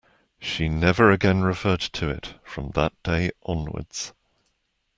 She never again referred to it, from that day onwards.